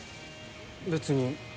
別に。